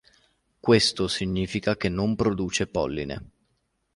Questo significa che non produce polline.